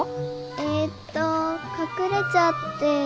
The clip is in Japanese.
えっと隠れちゃって。